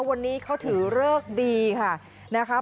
วันนี้เขาถือเลิกดีค่ะนะคะ